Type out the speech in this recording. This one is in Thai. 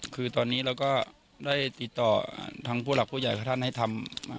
คือตอนนี้เราก็ได้ติดต่อทางผู้หลักผู้ใหญ่กับท่านให้ทำ